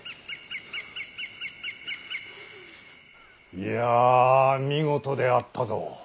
いや見事であったぞ。